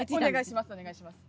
お願いします